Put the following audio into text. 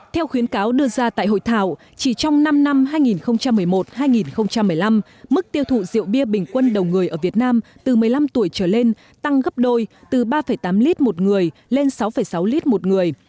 theo khuyến cáo đưa ra tại hội thảo chỉ trong năm năm hai nghìn một mươi một hai nghìn một mươi năm mức tiêu thụ rượu bia bình quân đầu người ở việt nam từ một mươi năm tuổi trở lên tăng gấp đôi từ ba tám lít một người lên sáu sáu lít một người